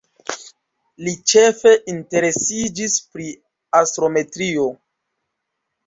Li ĉefe interesiĝis pri astrometrio.